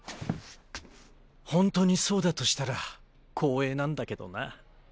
本当にそうだとしたら光栄なんだけどな。